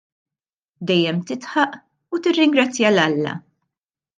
Dejjem tidħak u tirringrazzja 'l Alla.